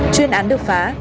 chuyên án được phá